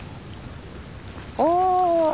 お。